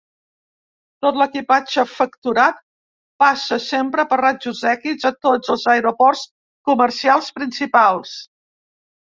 Tot l'equipatge facturat passa sempre per rajos X a tots els aeroports comercials principals.